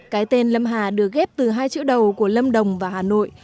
cái tên lâm hà được ghép từ hai chữ đầu của lâm đồng và hà nội